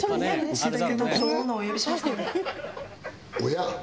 親？